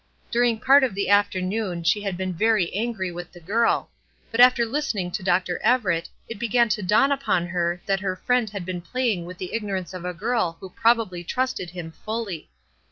During part of the afternoon she had been very angry with the girl, but after listening to Dr. Everett it began to dawn upon her that her friend had been playing with the ignorance of a girl who probably trusted him fully.